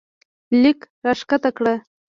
لیک راښکته کړه